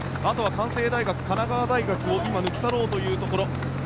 関西学院大学神奈川大学を抜き去ろうというところ。